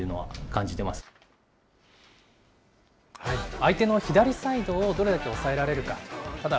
相手の左サイドをどれだけ抑えられるか。